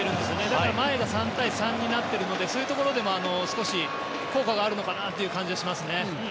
だから、前が３対３になってるのでそういうところでも少し効果があるのかなという感じがしますね。